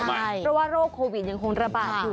เพราะว่าโรคโควิดยังคงระบาดอยู่